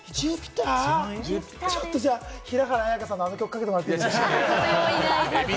ちょっと平原綾香さんをかけてもらっていいですか？